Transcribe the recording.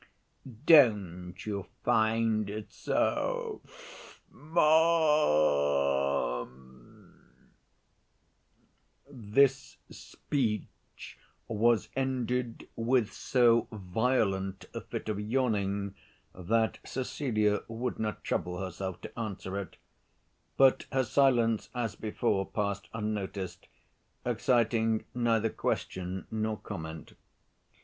Don't you find it so, ma'am?" This speech was ended with so violent a fit of yawning that Cecilia would not trouble herself to answer it: but her silence as before passed unnoticed, exciting neither question nor comment.